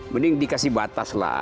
mending dikasih batas lah